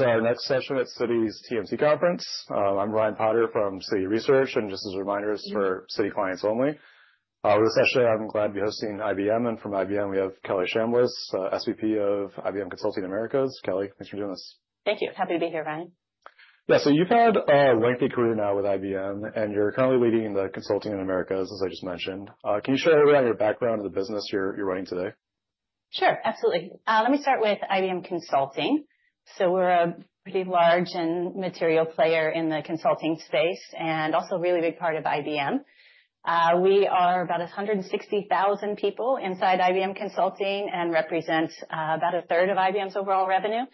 Our next session at Citi's TMT Conference. I'm Ryan Potter from Citi Research, just as a reminder. This is for Citi clients only. For this session, I'm glad to be hosting IBM, and from IBM we have Kelly Chambliss, SVP of IBM Consulting Americas. Kelly, thanks for doing this. Thank you. Happy to be here, Ryan. Yeah. You've had a lengthy career now with IBM, and you're currently leading the consulting in Americas, as I just mentioned. Can you share with everybody your background in the business you're running today? Sure, absolutely. Let me start with IBM Consulting. We're a pretty large and material player in the consulting space and also a really big part of IBM. We are about 160,000 people inside IBM Consulting and represent about a third of IBM's overall revenue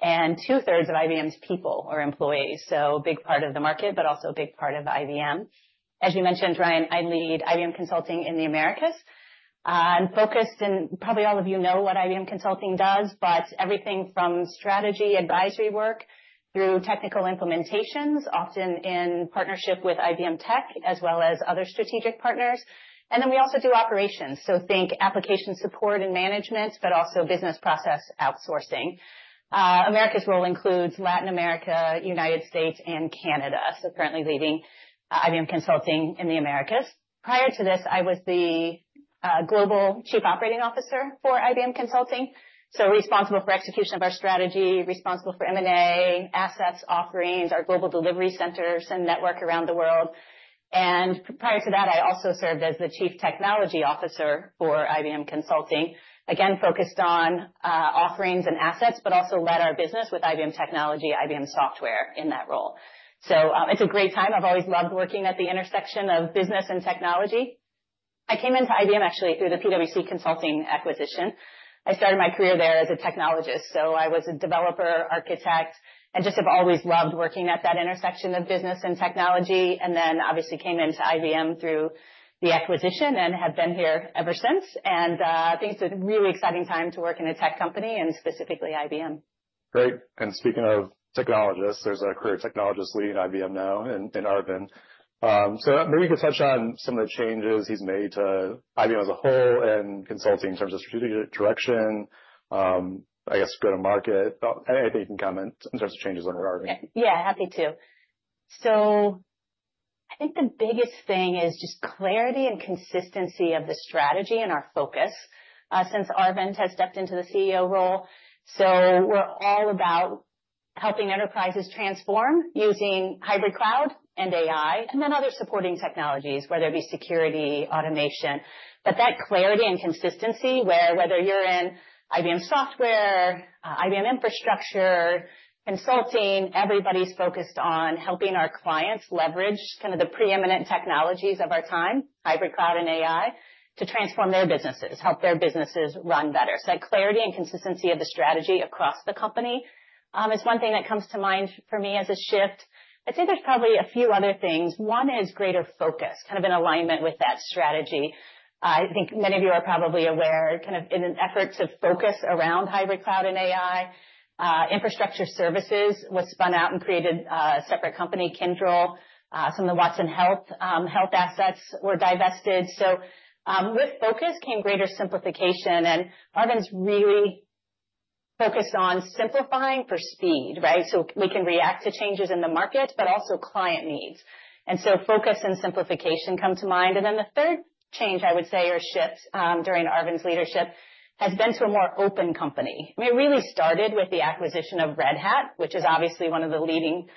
and two-thirds of IBM's people or employees. Big part of the market, but also a big part of IBM. As you mentioned, Ryan, I lead IBM Consulting in the Americas. I'm focused, and probably all of you know what IBM Consulting does, but everything from strategy advisory work through technical implementations, often in partnership with IBM Tech as well as other strategic partners. We also do operations, think application support and management, but also business process outsourcing. Americas role includes Latin America, U.S. and Canada. Currently leading IBM Consulting in the Americas. Prior to this, I was the Global Chief Operating Officer for IBM Consulting, responsible for execution of our strategy, responsible for M&A, assets offerings, our global delivery centers and network around the world. Prior to that, I also served as the Chief Technology Officer for IBM Consulting. Again, focused on offerings and assets, but also led our business with IBM Technology, IBM Software in that role. It's a great time. I've always loved working at the intersection of business and technology. I came into IBM actually through the PwC consulting acquisition. I started my career there as a technologist, I was a developer architect and just have always loved working at that intersection of business and technology. Obviously came into IBM through the acquisition and have been here ever since. I think it's a really exciting time to work in a tech company and specifically IBM. Great. Speaking of technologists, there's a career technologist leading IBM now in Arvind. Maybe you could touch on some of the changes he's made to IBM as a whole and consulting in terms of strategic direction, I guess go to market. Anything you can comment in terms of changes under Arvind. Happy to. I think the biggest thing is just clarity and consistency of the strategy and our focus since Arvind has stepped into the CEO role. We're all about helping enterprises transform using hybrid cloud and AI and then other supporting technologies, whether it be security, automation. That clarity and consistency where whether you're in IBM Software, IBM Infrastructure, Consulting, everybody's focused on helping our clients leverage the preeminent technologies of our time, hybrid cloud and AI, to transform their businesses, help their businesses run better. That clarity and consistency of the strategy across the company is one thing that comes to mind for me as a shift. I'd say there's probably a few other things. One is greater focus, kind of in alignment with that strategy. I think many of you are probably aware, in an effort to focus around hybrid cloud and AI, infrastructure services was spun out and created a separate company, Kyndryl. Some of the Watson Health assets were divested. With focus came greater simplification, and Arvind's really focused on simplifying for speed, right? We can react to changes in the market but also client needs. Focus and simplification come to mind. The third change I would say, or shift, during Arvind's leadership has been to a more open company. I mean, it really started with the acquisition of Red Hat, which is obviously one of the leading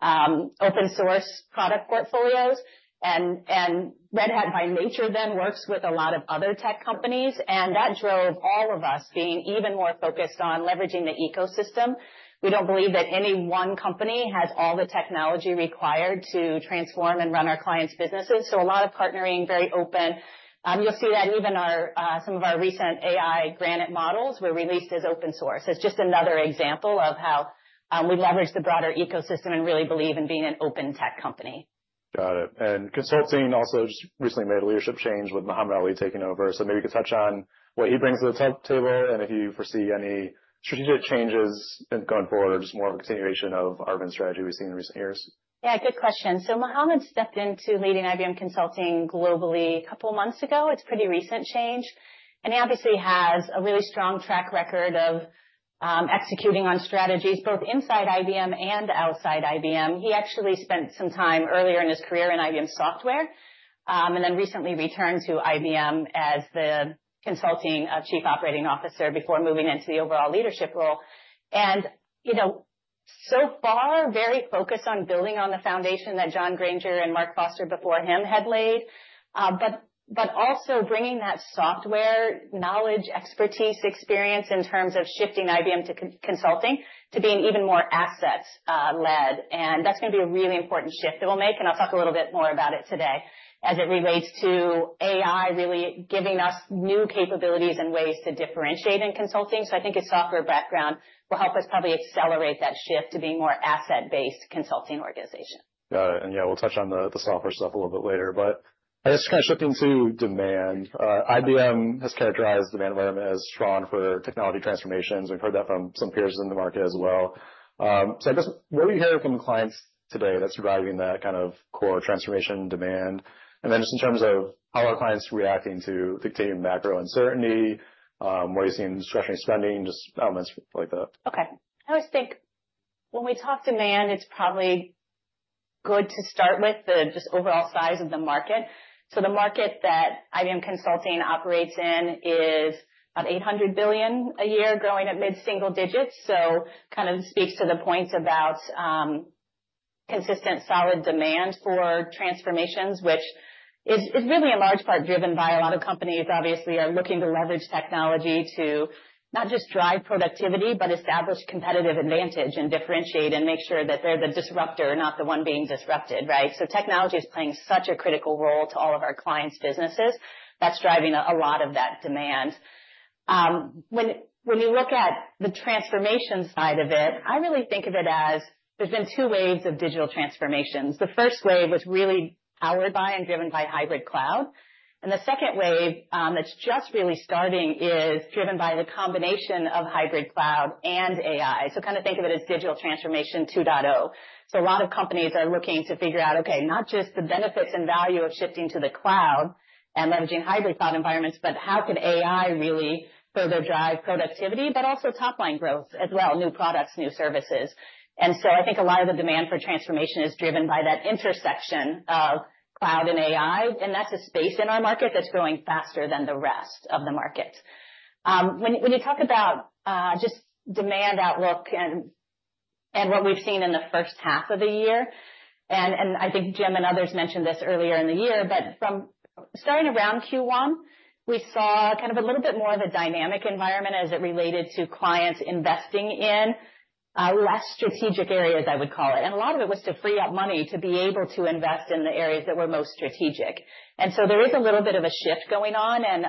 open source product portfolios. Red Hat by nature then works with a lot of other tech companies, and that drove all of us being even more focused on leveraging the ecosystem. We don't believe that any one company has all the technology required to transform and run our clients' businesses. A lot of partnering, very open. You'll see that even some of our recent AI Granite models were released as open source. It's just another example of how we leverage the broader ecosystem and really believe in being an open tech company. Got it. Consulting also just recently made a leadership change with Mohamad Ali taking over. Maybe you could touch on what he brings to the table and if you foresee any strategic changes going forward or just more of a continuation of Arvind's strategy we've seen in recent years. Yeah, good question. Mohamad stepped into leading IBM Consulting globally a couple months ago. It's a pretty recent change, and he obviously has a really strong track record of executing on strategies both inside IBM and outside IBM. He actually spent some time earlier in his career in IBM Software, then recently returned to IBM as the Consulting chief operating officer before moving into the overall leadership role. So far, very focused on building on the foundation that John Granger and Mark Foster before him had laid. Also bringing that software knowledge, expertise, experience in terms of shifting IBM to consulting to being even more assets led. That's going to be a really important shift that we'll make, and I'll talk a little bit more about it today as it relates to AI really giving us new capabilities and ways to differentiate in consulting. I think his software background will help us probably accelerate that shift to being a more asset-based consulting organization. Got it. Yeah, we'll touch on the software stuff a little bit later, I guess kind of shifting to demand. IBM has characterized demand environment as strong for technology transformations. We've heard that from some peers in the market as well. I guess, what are you hearing from clients today that's driving that kind of core transformation demand? Then just in terms of how are clients reacting to the continuing macro uncertainty? What are you seeing in discretionary spending? Just elements like that. Okay. I always think when we talk demand, it's probably good to start with just overall size of the market. The market that IBM Consulting operates in is about $800 billion a year, growing at mid-single digits. Kind of speaks to the points about consistent solid demand for transformations, which is really in large part driven by a lot of companies, obviously, are looking to leverage technology to not just drive productivity, establish competitive advantage and differentiate and make sure that they're the disruptor, not the one being disrupted, right? Technology is playing such a critical role to all of our clients' businesses. That's driving a lot of that demand. When you look at the transformation side of it, I really think of it as there's been two waves of digital transformations. The first wave was really powered by and driven by hybrid cloud, the second wave, that's just really starting, is driven by the combination of hybrid cloud and AI. Kind of think of it as digital transformation 2.0. A lot of companies are looking to figure out, okay, not just the benefits and value of shifting to the cloud and leveraging hybrid cloud environments, but how can AI really further drive productivity, but also top-line growth as well, new products, new services. I think a lot of the demand for transformation is driven by that intersection of cloud and AI, and that's a space in our market that's growing faster than the rest of the market. When you talk about just demand outlook and what we've seen in the first half of the year, I think Jim and others mentioned this earlier in the year, but from starting around Q1, we saw kind of a little bit more of a dynamic environment as it related to clients investing in less strategic areas, I would call it. A lot of it was to free up money to be able to invest in the areas that were most strategic. There is a little bit of a shift going on and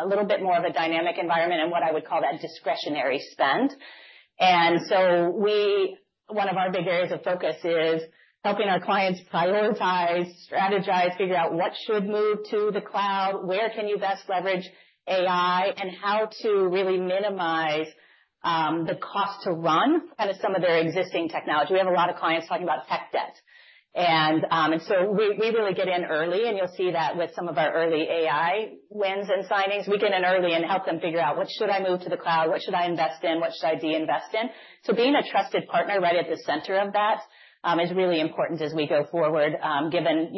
a little bit more of a dynamic environment in what I would call that discretionary spend. One of our big areas of focus is helping our clients prioritize, strategize, figure out what should move to the cloud, where can you best leverage AI, and how to really minimize the cost to run some of their existing technology. We have a lot of clients talking about tech debt. We really get in early, and you'll see that with some of our early AI wins and signings. We get in early and help them figure out what should I move to the cloud, what should I invest in, what should I de-invest in? Being a trusted partner right at the center of that is really important as we go forward, given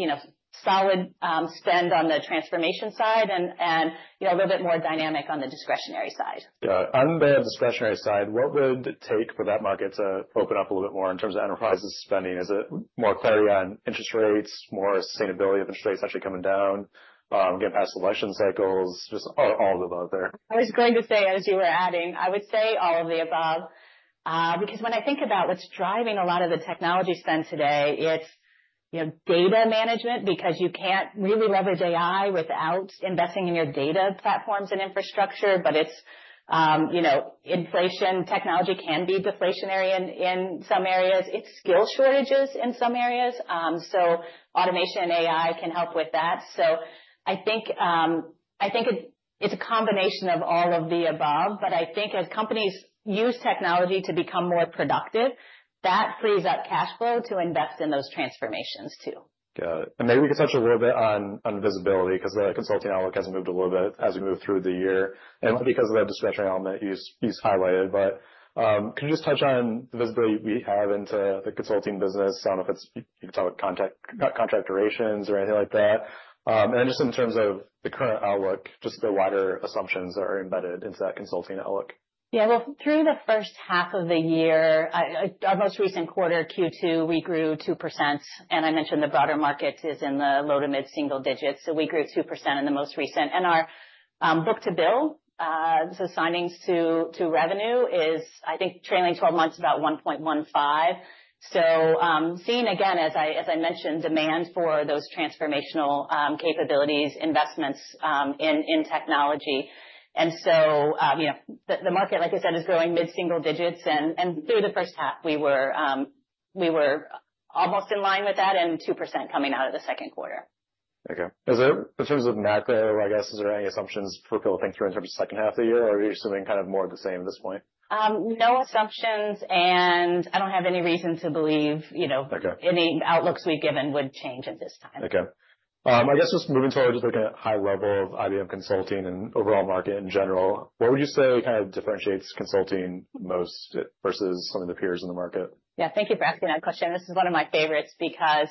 solid spend on the transformation side and a little bit more dynamic on the discretionary side. Yeah. On the discretionary side, what would it take for that market to open up a little bit more in terms of enterprises spending? Is it more clarity on interest rates, more sustainability of interest rates actually coming down, getting past election cycles? Just all of the above there. I was going to say, as you were adding, I would say all of the above, because when I think about what's driving a lot of the technology spend today, it's data management, because you can't really leverage AI without investing in your data platforms and infrastructure. It's inflation. Technology can be deflationary in some areas. It's skill shortages in some areas. Automation and AI can help with that. I think it's a combination of all of the above, but I think as companies use technology to become more productive, that frees up cash flow to invest in those transformations too. Got it. Maybe we could touch a little bit on visibility, because the consulting outlook has moved a little bit as we move through the year, and because of that discretionary element you just highlighted. Can you just touch on the visibility we have into the consulting business? I don't know if you can talk about contract durations or anything like that. Just in terms of the current outlook, just the wider assumptions that are embedded into that consulting outlook. Yeah. Well, through the first half of the year, our most recent quarter, Q2, we grew 2%. I mentioned the broader market is in the low to mid-single digits. We grew 2% in the most recent. Our book-to-bill, so signings to revenue is, I think, trailing 12 months about 1.15. Seeing again, as I mentioned, demand for those transformational capabilities, investments in technology. The market, like I said, is growing mid-single digits, and through the first half, we were almost in line with that and 2% coming out of the second quarter. Okay. In terms of macro, I guess, is there any assumptions for bill think through in terms of second half of the year, or are you assuming kind of more of the same at this point? No assumptions, and I don't have any reason to believe. Okay Any outlooks we've given would change at this time. Okay. I guess just moving forward, just looking at high level of IBM Consulting and overall market in general, what would you say kind of differentiates consulting most versus some of the peers in the market? Yeah. Thank you for asking that question. This is one of my favorites because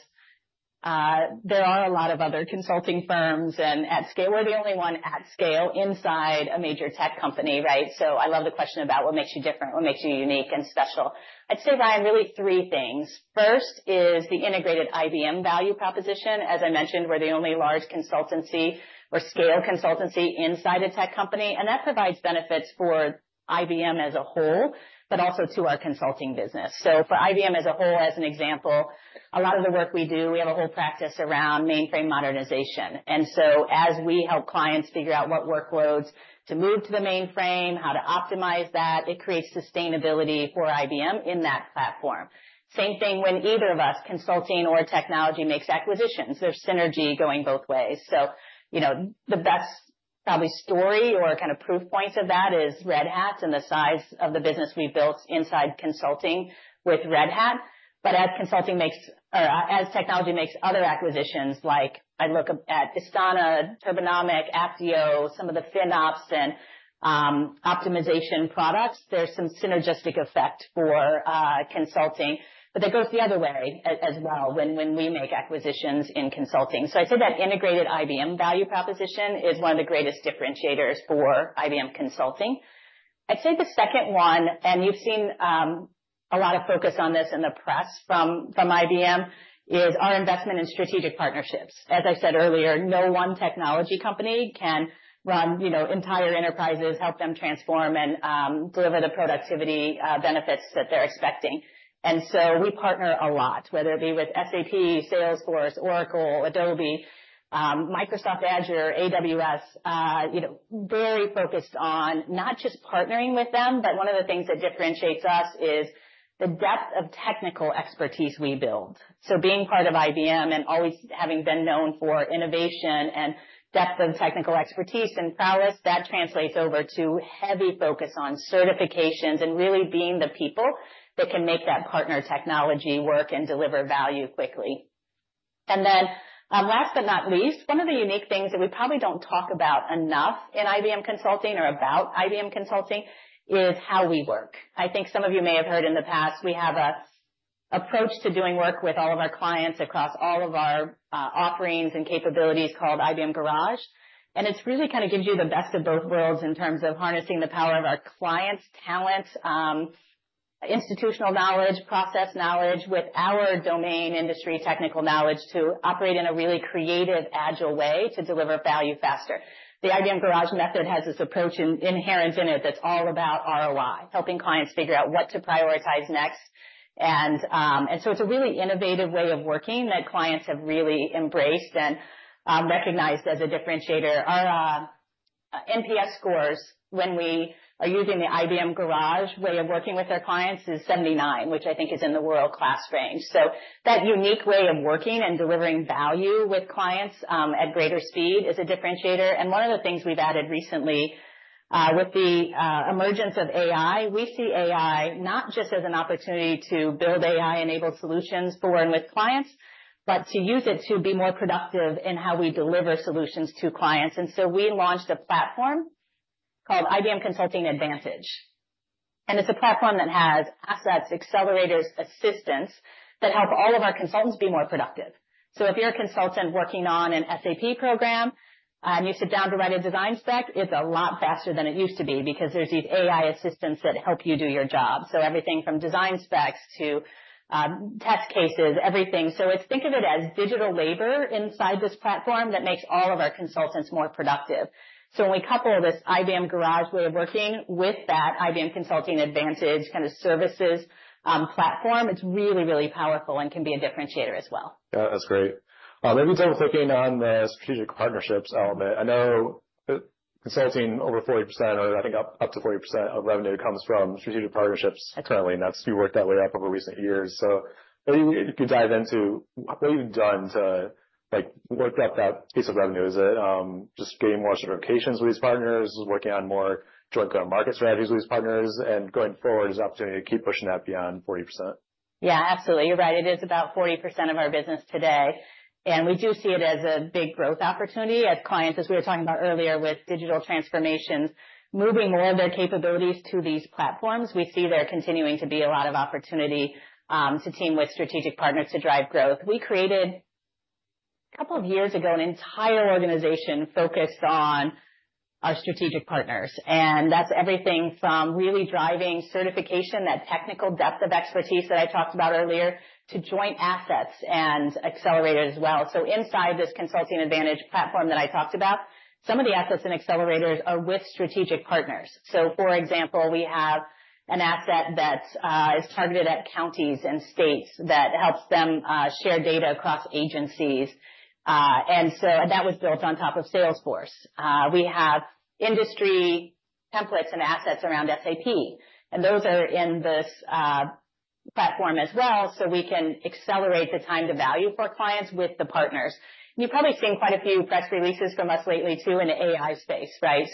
there are a lot of other consulting firms, and at scale, we're the only one at scale inside a major tech company, right? I love the question about what makes you different, what makes you unique and special. I'd say that really three things. First is the integrated IBM value proposition. As I mentioned, we're the only large consultancy or scale consultancy inside a tech company, and that provides benefits for IBM as a whole, but also to our consulting business. For IBM as a whole, as an example, a lot of the work we do, we have a whole practice around mainframe modernization. As we help clients figure out what workloads to move to the mainframe, how to optimize that, it creates sustainability for IBM in that platform. Same thing when either of us, consulting or technology, makes acquisitions. There's synergy going both ways. The best probably story or kind of proof points of that is Red Hat and the size of the business we built inside consulting with Red Hat. As technology makes other acquisitions like I look at Instana, Turbonomic, Apptio, some of the FinOps and optimization products, there's some synergistic effect for consulting. That goes the other way as well when we make acquisitions in consulting. I'd say that integrated IBM value proposition is one of the greatest differentiators for IBM Consulting. I'd say the second one, a lot of focus on this in the press from IBM is our investment in strategic partnerships. As I said earlier, no one technology company can run entire enterprises, help them transform, and deliver the productivity benefits that they're expecting. We partner a lot, whether it be with SAP, Salesforce, Oracle, Adobe, Microsoft Azure, AWS. Very focused on not just partnering with them, but one of the things that differentiates us is the depth of technical expertise we build. Being part of IBM and always having been known for innovation and depth of technical expertise and prowess, that translates over to heavy focus on certifications and really being the people that can make that partner technology work and deliver value quickly. Last but not least, one of the unique things that we probably don't talk about enough in IBM Consulting or about IBM Consulting is how we work. I think some of you may have heard in the past, we have an approach to doing work with all of our clients across all of our offerings and capabilities called IBM Garage, and it really gives you the best of both worlds in terms of harnessing the power of our clients' talent, institutional knowledge, process knowledge with our domain industry technical knowledge to operate in a really creative, agile way to deliver value faster. The IBM Garage method has this approach inherent in it that's all about ROI, helping clients figure out what to prioritize next. It's a really innovative way of working that clients have really embraced and recognized as a differentiator. Our NPS scores when we are using the IBM Garage way of working with our clients is 79, which I think is in the world-class range. That unique way of working and delivering value with clients, at greater speed is a differentiator. One of the things we've added recently, with the emergence of AI, we see AI not just as an opportunity to build AI-enabled solutions for and with clients, but to use it to be more productive in how we deliver solutions to clients. We launched a platform called IBM Consulting Advantage, and it's a platform that has assets, accelerators, assistants that help all of our consultants be more productive. If you're a consultant working on an SAP program and you sit down to write a design spec, it's a lot faster than it used to be because there's these AI assistants that help you do your job. Everything from design specs to test cases, everything. Think of it as digital labor inside this platform that makes all of our consultants more productive. When we couple this IBM Garage way of working with that IBM Consulting Advantage kind of services platform, it is really, really powerful and can be a differentiator as well. Yeah, that's great. Maybe double-clicking on the strategic partnerships element. I know consulting over 40%, or I think up to 40% of revenue comes from strategic partnerships currently, and that's been worked that way up over recent years. Maybe if you could dive into what you've done to work up that piece of revenue. Is it just getting more certifications with these partners? Is it working on more joint go-to-market strategies with these partners? Going forward, is the opportunity to keep pushing that beyond 40%? Yeah, absolutely. You're right. It is about 40% of our business today, and we do see it as a big growth opportunity as clients, as we were talking about earlier, with digital transformations, moving more of their capabilities to these platforms. We see there continuing to be a lot of opportunity to team with strategic partners to drive growth. We created, a couple of years ago, an entire organization focused on our strategic partners, and that's everything from really driving certification, that technical depth of expertise that I talked about earlier, to joint assets and accelerators as well. Inside this Consulting Advantage platform that I talked about, some of the assets and accelerators are with strategic partners. For example, we have an asset that is targeted at counties and states that helps them share data across agencies. That was built on top of Salesforce. We have industry templates and assets around SAP, and those are in this platform as well, so we can accelerate the time to value for clients with the partners. You've probably seen quite a few press releases from us lately too in the AI space, right?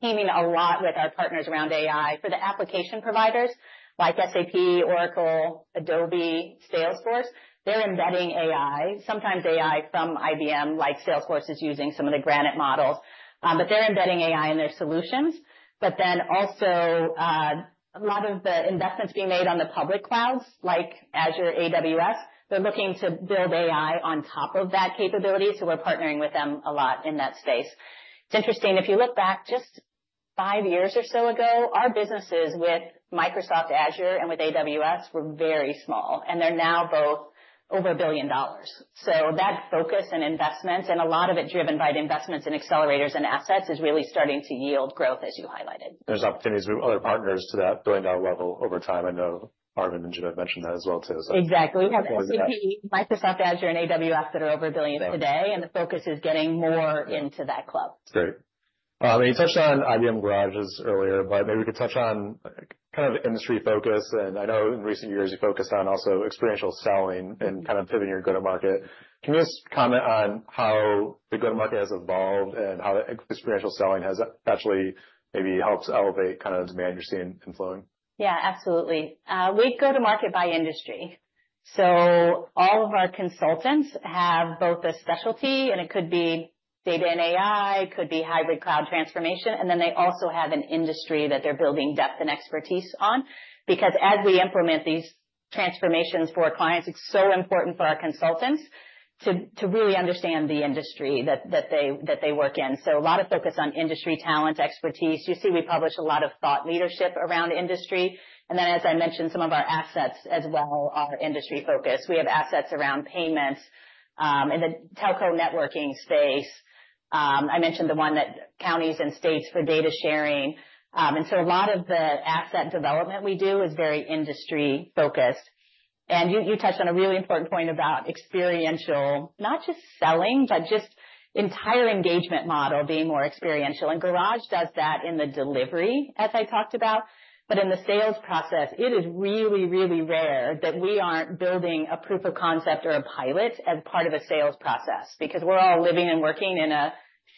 Teaming a lot with our partners around AI. For the application providers like SAP, Oracle, Adobe, Salesforce, they're embedding AI, sometimes AI from IBM, like Salesforce is using some of the Granite models. They're embedding AI in their solutions. Also, a lot of the investments being made on the public clouds, like Azure, AWS, they're looking to build AI on top of that capability. We're partnering with them a lot in that space. It's interesting, if you look back just five years or so ago, our businesses with Microsoft Azure and with AWS were very small, and they're now both over $1 billion. That focus and investment, and a lot of it driven by investments in accelerators and assets, is really starting to yield growth as you highlighted. There's opportunities with other partners to that billion-dollar level over time. I know Arvind and Jen have mentioned that as well too. Exactly. We have SAP, Microsoft Azure, and AWS that are over $1 billion today. The focus is getting more into that club. Great. You touched on IBM Garages earlier, maybe we could touch on kind of industry focus. I know in recent years you focused on also experiential selling and kind of pivoting your go-to-market. Can you just comment on how the go-to-market has evolved and how the experiential selling has actually maybe helped elevate kind of demand you're seeing in flowing? Yeah, absolutely. We go to market by industry. All of our consultants have both a specialty, and it could be data and AI, it could be hybrid cloud transformation, then they also have an industry that they're building depth and expertise on. Because as we implement transformations for our clients. It's important for our consultants to really understand the industry that they work in. A lot of focus on industry talent, expertise. You see, we publish a lot of thought leadership around industry, then as I mentioned, some of our assets as well are industry-focused. We have assets around payments, in the telco networking space. I mentioned the one that counties and states for data sharing. A lot of the asset development we do is very industry-focused. You touched on a really important point about experiential, not just selling, but just entire engagement model being more experiential. Garage does that in the delivery, as I talked about. In the sales process, it is really, really rare that we aren't building a proof of concept or a pilot as part of a sales process because we're all living and working in a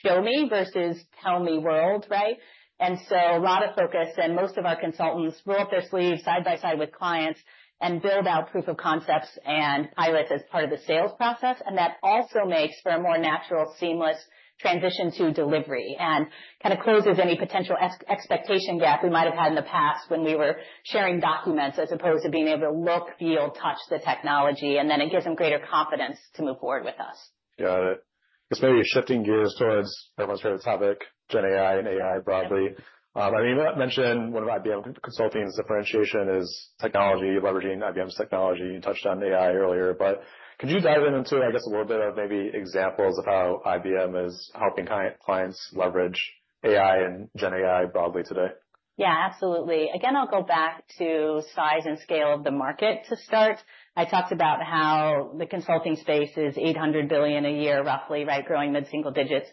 show me versus tell me world, right? A lot of focus, and most of our consultants roll up their sleeves side by side with clients and build out proof of concepts and pilots as part of the sales process. That also makes for a more natural, seamless transition to delivery and kind of closes any potential expectation gap we might have had in the past when we were sharing documents as opposed to being able to look, feel, touch the technology, then it gives them greater confidence to move forward with us. Got it. I guess maybe shifting gears towards everyone's favorite topic, GenAI and AI broadly. You mentioned one of IBM Consulting's differentiation is technology, leveraging IBM's technology. You touched on AI earlier, but could you dive into, I guess, a little bit of maybe examples of how IBM is helping clients leverage AI and GenAI broadly today? Yeah, absolutely. Again, I'll go back to size and scale of the market to start. I talked about how the consulting space is $800 billion a year, roughly, right? Growing mid-single digits.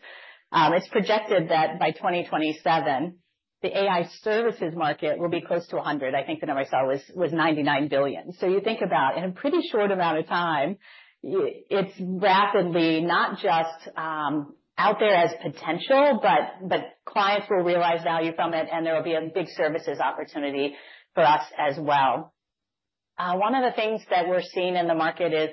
It's projected that by 2027, the AI services market will be close to 100. I think the number I saw was $99 billion. You think about, in a pretty short amount of time, it's rapidly not just out there as potential, but clients will realize value from it, and there will be a big services opportunity for us as well. One of the things that we're seeing in the market is,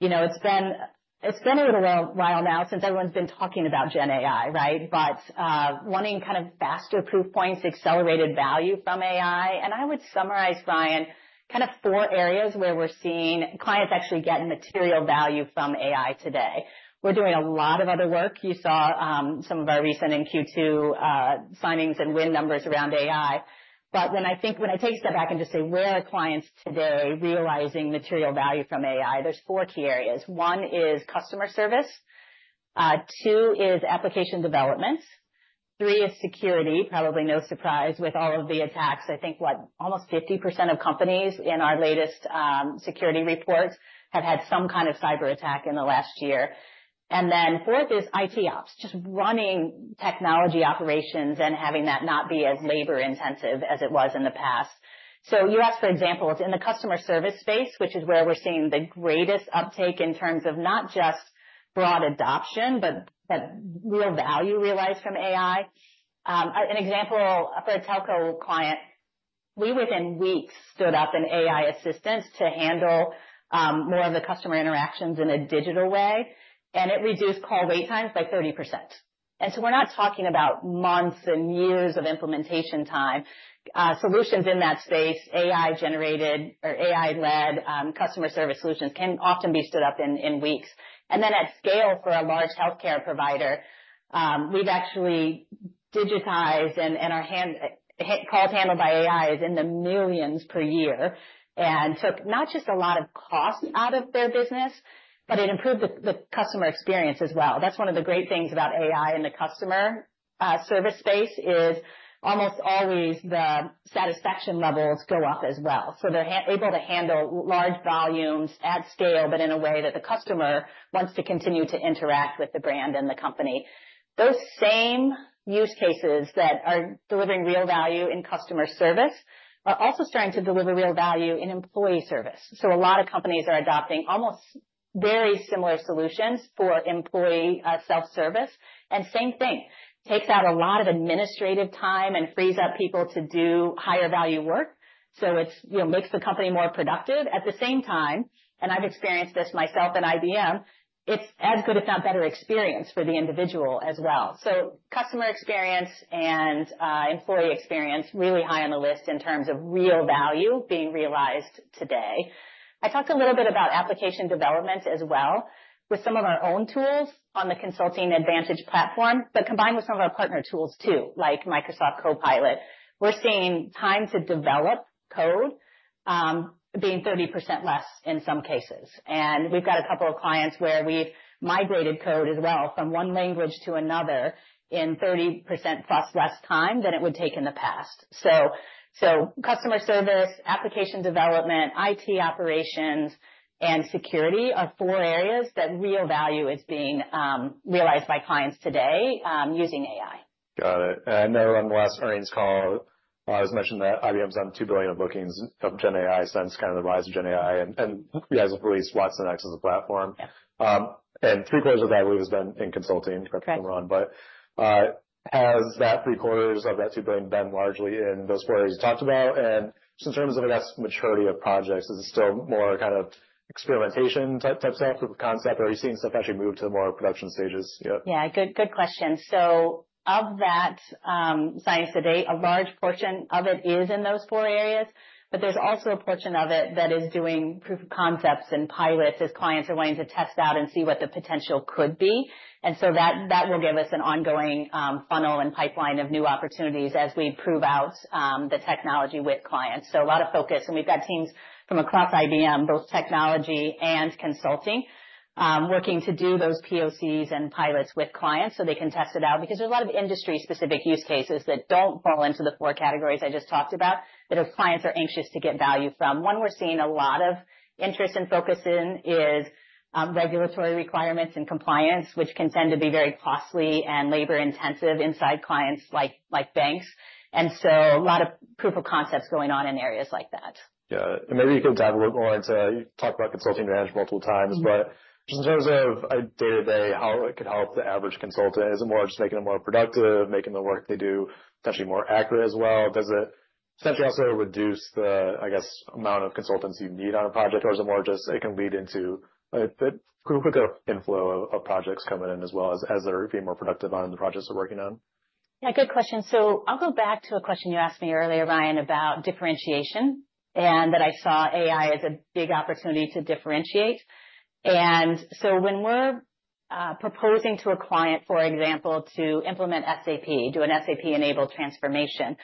it's been a little while now since everyone's been talking about GenAI, right? Wanting kind of faster proof points, accelerated value from AI. I would summarize, Brian, kind of four areas where we're seeing clients actually get material value from AI today. We're doing a lot of other work. You saw some of our recent in Q2 signings and win numbers around AI. When I take a step back and just say, where are clients today realizing material value from AI? There's four key areas. One is customer service, two is application development, three is security. Probably no surprise with all of the attacks. I think what, almost 50% of companies in our latest security reports have had some kind of cyber attack in the last year. Fourth is IT ops, just running technology operations and having that not be as labor-intensive as it was in the past. You asked for examples. In the customer service space, which is where we're seeing the greatest uptake in terms of not just broad adoption, but real value realized from AI. An example for a telco client, we within weeks stood up an AI assistant to handle more of the customer interactions in a digital way, and it reduced call wait times by 30%. We're not talking about months and years of implementation time. Solutions in that space, AI generated or AI led customer service solutions can often be stood up in weeks. At scale for a large healthcare provider, we've actually digitized and our calls handled by AI is in the millions per year. Took not just a lot of cost out of their business, but it improved the customer experience as well. That's one of the great things about AI in the customer service space is almost always the satisfaction levels go up as well. They're able to handle large volumes at scale, but in a way that the customer wants to continue to interact with the brand and the company. Those same use cases that are delivering real value in customer service are also starting to deliver real value in employee service. A lot of companies are adopting almost very similar solutions for employee self-service. Same thing, takes out a lot of administrative time and frees up people to do higher value work. It makes the company more productive. At the same time, I've experienced this myself at IBM, it's as good, if not better experience for the individual as well. Customer experience and employee experience really high on the list in terms of real value being realized today. I talked a little bit about application development as well with some of our own tools on the IBM Consulting Advantage platform. Combined with some of our partner tools too, like Microsoft Copilot, we're seeing time to develop code being 30% less in some cases. We've got a couple of clients where we've migrated code as well from one language to another in 30% plus less time than it would take in the past. Customer service, application development, IT operations, and security are four areas that real value is being realized by clients today using AI. Got it. I know on the last earnings call, it was mentioned that IBM's done $2 billion of bookings of GenAI since kind of the rise of GenAI. You guys have released watsonx as a platform. Yeah. Three quarters of that, Lou, has been in IBM Consulting- Correct from run. Has that three-quarters of that $2 billion been largely in those four areas you talked about? Just in terms of, I guess, maturity of projects, is it still more kind of experimentation type stuff with the concept, or are you seeing stuff actually move to the more production stages yet? Good question. Of that, to date, a large portion of it is in those four areas, but there's also a portion of it that is doing proof of concepts and pilots as clients are wanting to test out and see what the potential could be. That will give us an ongoing funnel and pipeline of new opportunities as we prove out the Technology with clients. A lot of focus, and we've got teams from across IBM, both Technology and Consulting, working to do those POCs and pilots with clients so they can test it out. Because there's a lot of industry-specific use cases that don't fall into the four categories I just talked about, that our clients are anxious to get value from. One we're seeing a lot of interest and focus in is regulatory requirements and compliance, which can tend to be very costly and labor-intensive inside clients like banks. A lot of proof of concepts going on in areas like that. Yeah. Maybe you could dive a little more into, you talked about Consulting Advantage multiple times, but just in terms of day-to-day, how it could help the average consultant. Is it more just making them more productive, making the work they do potentially more accurate as well? Does it potentially also reduce the, I guess, amount of consultants you need on a project? Is it more just it can lead into a quicker inflow of projects coming in, as well as they're being more productive on the projects they're working on? Good question. I'll go back to a question you asked me earlier, Ryan, about differentiation, and that I saw AI as a big opportunity to differentiate. When we're proposing to a client, for example, to implement SAP, do an SAP-enabled transformation,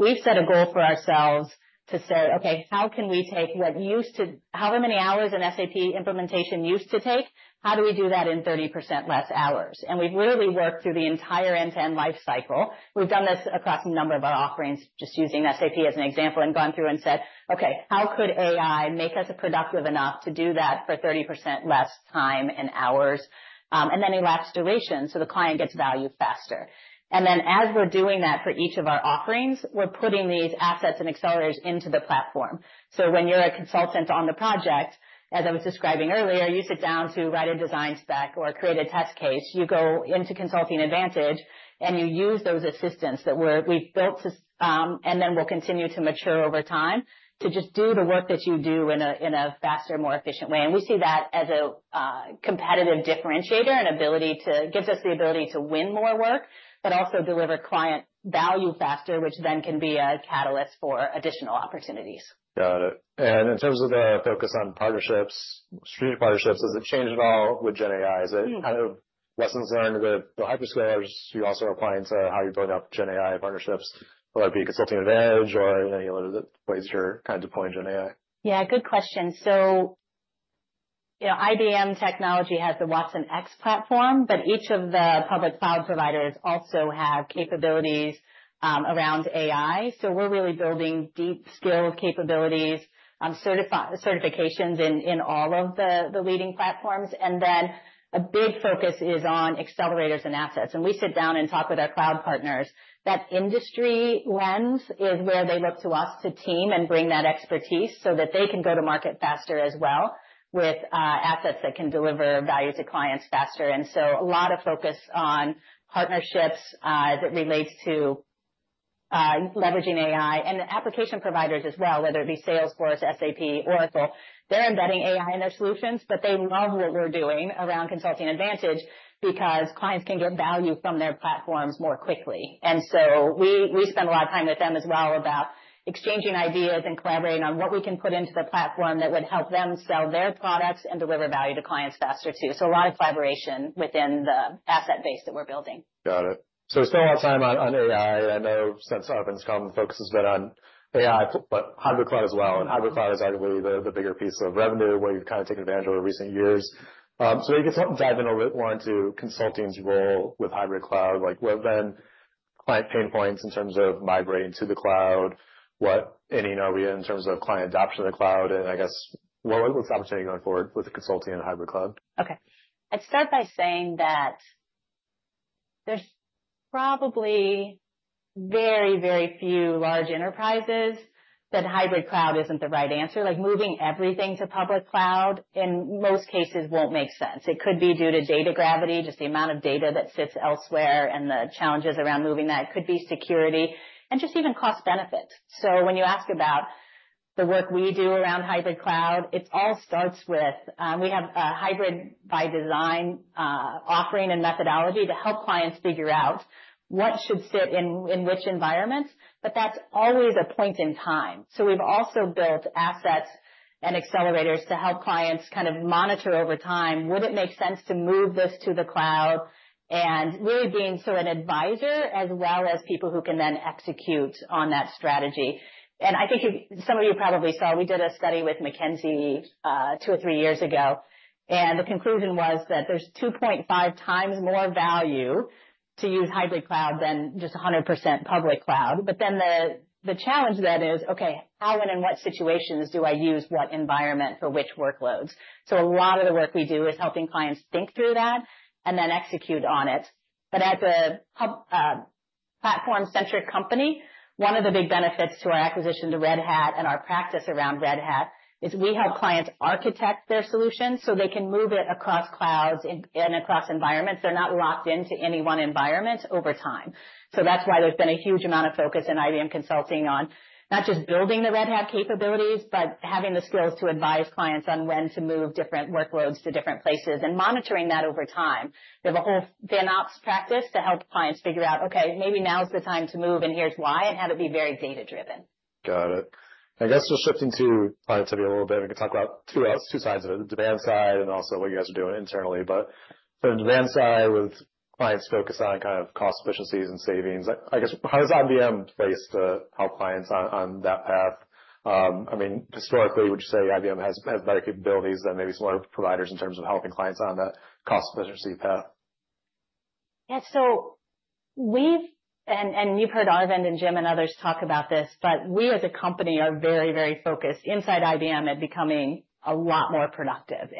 we've set a goal for ourselves to say, "Okay, how can we take what used to-- however many hours an SAP implementation used to take, how do we do that in 30% less hours?" We've literally worked through the entire end-to-end life cycle. We've done this across a number of our offerings, just using SAP as an example, and gone through and said, "Okay, how could AI make us productive enough to do that for 30% less time and hours, a lapsed duration so the client gets value faster?" As we're doing that for each of our offerings, we're putting these assets and accelerators into the platform. When you're a consultant on the project, as I was describing earlier, you sit down to write a design spec or create a test case. You go into IBM Consulting Advantage, and you use those assistants that we've built, and then will continue to mature over time, to just do the work that you do in a faster, more efficient way. We see that as a competitive differentiator and gives us the ability to win more work, but also deliver client value faster, which then can be a catalyst for additional opportunities. Got it. In terms of the focus on partnerships, strategic partnerships, does it change at all with GenAI? Is it kind of lessons learned with hyperscalers you also apply into how you're building up GenAI partnerships, whether it be IBM Consulting Advantage or any other ways you're deploying GenAI? Yeah, good question. IBM Technology has the watsonx platform, but each of the public cloud providers also have capabilities around AI. We're really building deep skill capabilities, certifications in all of the leading platforms. A big focus is on accelerators and assets. We sit down and talk with our cloud partners. That industry lens is where they look to us to team and bring that expertise so that they can go to market faster as well with assets that can deliver value to clients faster. A lot of focus on partnerships that relates to leveraging AI. The application providers as well, whether it be Salesforce, SAP, Oracle, they're embedding AI in their solutions, but they love what we're doing around IBM Consulting Advantage because clients can get value from their platforms more quickly. We spend a lot of time with them as well about exchanging ideas and collaborating on what we can put into the platform that would help them sell their products and deliver value to clients faster, too. A lot of collaboration within the asset base that we're building. Got it. Staying on time on AI, I know since Arvind's come, the focus has been on AI, but hybrid cloud as well. Hybrid cloud is arguably the bigger piece of revenue, what you've taken advantage of in recent years. Maybe if you could dive in a little more into consulting's role with hybrid cloud, like what have been client pain points in terms of migrating to the cloud? What any know we had in terms of client adoption of the cloud, and I guess what's the opportunity going forward with consulting and hybrid cloud? Okay. I'd start by saying that there's probably very, very few large enterprises that hybrid cloud isn't the right answer. Like moving everything to public cloud, in most cases, won't make sense. It could be due to data gravity, just the amount of data that sits elsewhere and the challenges around moving that. It could be security and just even cost benefit. When you ask about the work we do around hybrid cloud, it all starts with, we have a hybrid-by-design offering and methodology to help clients figure out what should sit in which environments, but that's always a point in time. We've also built assets and accelerators to help clients kind of monitor over time, would it make sense to move this to the cloud? Really being an advisor as well as people who can then execute on that strategy. I think some of you probably saw, we did a study with McKinsey two or three years ago, the conclusion was that there's 2.5 times more value to use hybrid cloud than just 100% public cloud. The challenge then is, okay, how and in what situations do I use what environment for which workloads? A lot of the work we do is helping clients think through that and then execute on it. As a platform-centric company. One of the big benefits to our acquisition to Red Hat and our practice around Red Hat is we help clients architect their solutions so they can move it across clouds and across environments. They're not locked into any one environment over time. That's why there's been a huge amount of focus in IBM Consulting on not just building the Red Hat capabilities, but having the skills to advise clients on when to move different workloads to different places and monitoring that over time. We have a whole FinOps practice to help clients figure out, okay, maybe now is the time to move, and here's why, and how to be very data-driven. Got it. I guess we're shifting to productivity a little bit. We can talk about two sides of it, the demand side and also what you guys are doing internally. From the demand side, with clients focused on cost efficiencies and savings, I guess how does IBM place to help clients on that path? Historically, would you say IBM has better capabilities than maybe some other providers in terms of helping clients on that cost efficiency path? Yeah. You've heard Arvind and Jim and others talk about this, but we as a company are very focused inside IBM at becoming a lot more productive.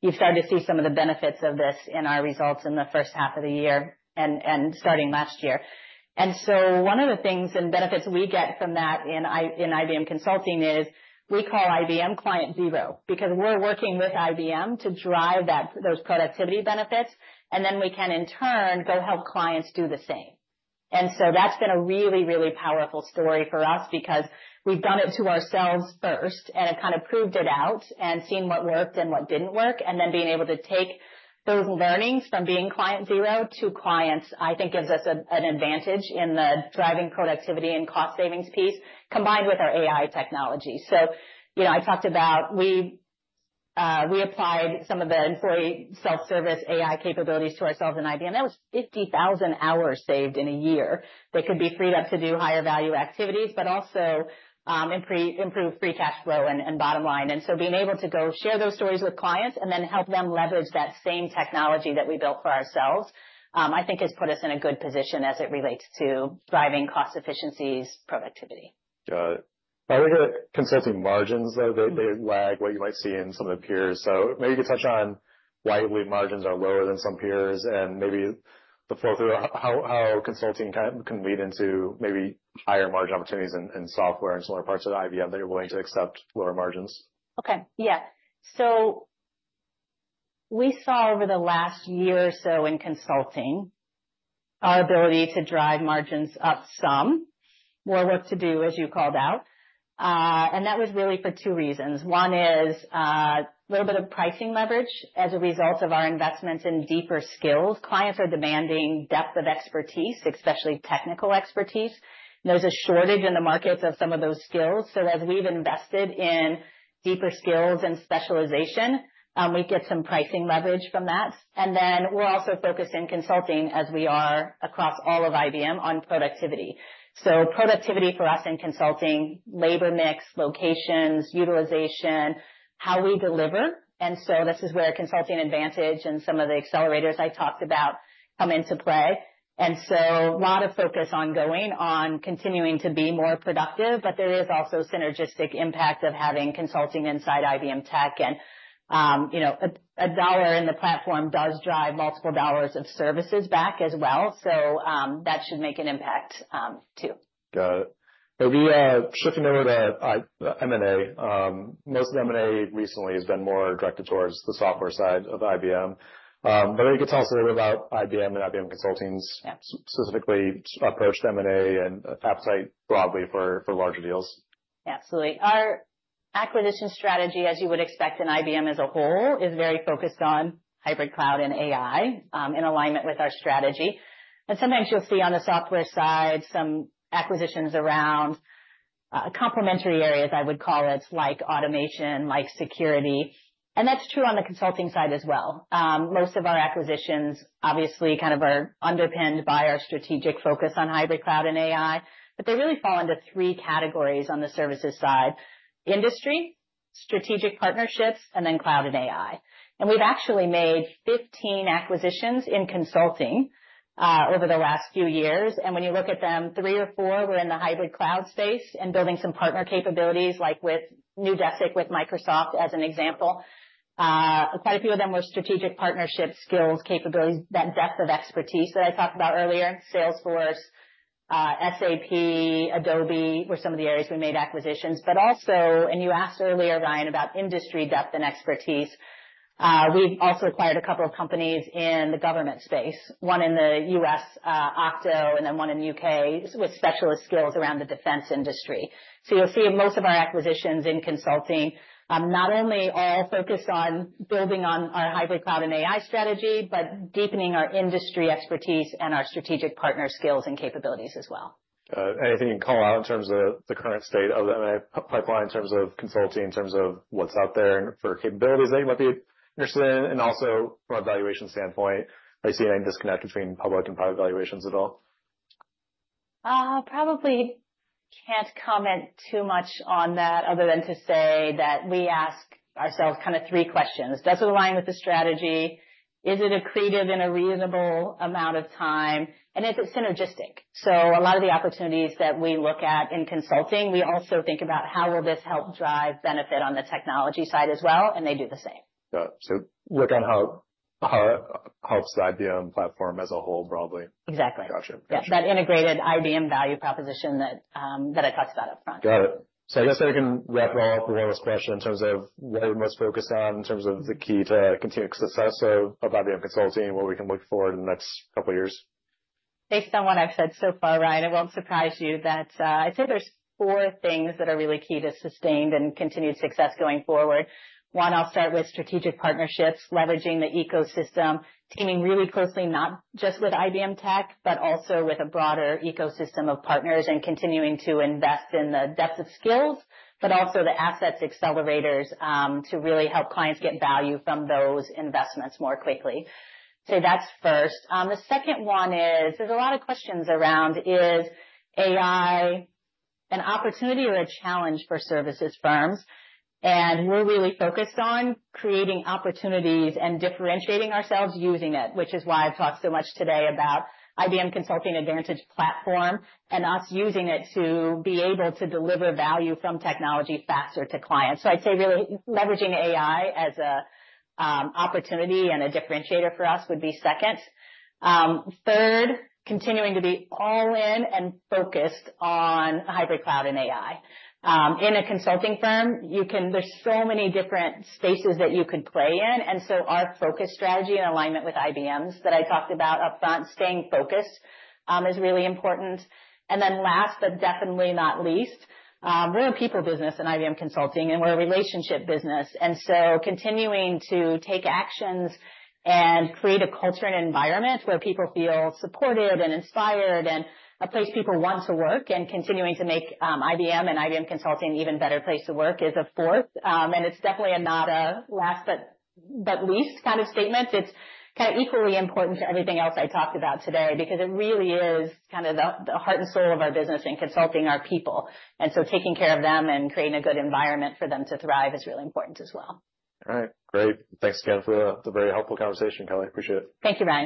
You've started to see some of the benefits of this in our results in the first half of the year and starting last year. One of the things and benefits we get from that in IBM Consulting is we call IBM client zero, because we're working with IBM to drive those productivity benefits, and then we can, in turn, go help clients do the same. That's been a really powerful story for us because we've done it to ourselves first, and it kind of proved it out and seen what worked and what didn't work, and then being able to take those learnings from being client zero to clients, I think gives us an advantage in the driving productivity and cost savings piece, combined with our AI technology. I talked about we applied some of the employee self-service AI capabilities to ourselves in IBM. That was 50,000 hours saved in a year that could be freed up to do higher value activities, but also improve free cash flow and bottom line. Being able to go share those stories with clients and then help them leverage that same technology that we built for ourselves, I think has put us in a good position as it relates to driving cost efficiencies, productivity. Got it. I look at consulting margins, though, they lag what you might see in some of the peers. Maybe you could touch on why we believe margins are lower than some peers and maybe the flow through how consulting can lead into maybe higher margin opportunities in software and some other parts of IBM that you're willing to accept lower margins. Okay. Yeah. We saw over the last year or so in consulting our ability to drive margins up some. More work to do, as you called out. That was really for two reasons. One is, little bit of pricing leverage as a result of our investments in deeper skills. Clients are demanding depth of expertise, especially technical expertise. There's a shortage in the markets of some of those skills. As we've invested in deeper skills and specialization, we get some pricing leverage from that. We're also focused in consulting as we are across all of IBM on productivity. Productivity for us in consulting, labor mix, locations, utilization, how we deliver. This is where consulting advantage and some of the accelerators I talked about come into play. A lot of focus on going on continuing to be more productive, but there is also synergistic impact of having consulting inside IBM Tech and a dollar in the platform does drive multiple dollars of services back as well. That should make an impact, too. Got it. We are shifting over to M&A. Most of the M&A recently has been more directed towards the software side of IBM. But maybe you could tell us a little bit about IBM and IBM Consulting's- Yeah specifically approach to M&A and appetite broadly for larger deals. Absolutely. Our acquisition strategy, as you would expect in IBM as a whole, is very focused on hybrid cloud and AI, in alignment with our strategy. Sometimes you'll see on the software side some acquisitions around complementary areas, I would call it, like automation, like security. That's true on the consulting side as well. Most of our acquisitions obviously are underpinned by our strategic focus on hybrid cloud and AI, but they really fall into three categories on the services side: industry, strategic partnerships, and then cloud and AI. We've actually made 15 acquisitions in consulting over the last few years. When you look at them, three or four were in the hybrid cloud space and building some partner capabilities, like with Neudesic, with Microsoft, as an example. Quite a few of them were strategic partnership skills capabilities. That depth of expertise that I talked about earlier, Salesforce, SAP, Adobe, were some of the areas we made acquisitions. Also, you asked earlier, Ryan, about industry depth and expertise. We've also acquired a couple of companies in the government space, one in the U.S., Octo, and then one in the U.K. with specialist skills around the defense industry. You'll see most of our acquisitions in consulting, not only all focused on building on our hybrid cloud and AI strategy, but deepening our industry expertise and our strategic partner skills and capabilities as well. Got it. Anything you can call out in terms of the current state of the M&A pipeline in terms of consulting, in terms of what's out there and for capabilities anybody would be interested in? Also from a valuation standpoint, do I see any disconnect between public and private valuations at all? Probably can't comment too much on that other than to say that we ask ourselves kind of three questions. Does it align with the strategy? Is it accretive in a reasonable amount of time? Is it synergistic? A lot of the opportunities that we look at in consulting, we also think about how will this help drive benefit on the technology side as well, and they do the same. Got it. Helps the IBM platform as a whole, broadly. Exactly. Got you. Yeah. That integrated IBM value proposition that I talked about up front. Got it. I guess I can wrap all up with one last question in terms of what we're most focused on in terms of the key to continued success of IBM Consulting and what we can look for in the next couple of years. Based on what I've said so far, Ryan, it won't surprise you that I'd say there's four things that are really key to sustained and continued success going forward. One, I'll start with strategic partnerships, leveraging the ecosystem, teaming really closely not just with IBM Tech, but also with a broader ecosystem of partners, and continuing to invest in the depth of skills, but also the assets accelerators, to really help clients get value from those investments more quickly. That's first. The second one is, there's a lot of questions around is AI an opportunity or a challenge for services firms? We're really focused on creating opportunities and differentiating ourselves using it, which is why I've talked so much today about IBM Consulting Advantage platform and us using it to be able to deliver value from technology faster to clients. I'd say really leveraging AI as an opportunity and a differentiator for us would be second. Third, continuing to be all in and focused on hybrid cloud and AI. In a consulting firm, there's so many different spaces that you can play in. Our focus strategy and alignment with IBM's that I talked about upfront, staying focused, is really important. Last, but definitely not least, we're a people business in IBM Consulting, and we're a relationship business. Continuing to take actions and create a culture and environment where people feel supported and inspired and a place people want to work and continuing to make IBM and IBM Consulting an even better place to work is a fourth. It's definitely not a last but least kind of statement. It's equally important to everything else I talked about today, because it really is the heart and soul of our business in consulting, our people. Taking care of them and creating a good environment for them to thrive is really important as well. All right. Great. Thanks again for the very helpful conversation, Kelly. Appreciate it. Thank you, Ryan.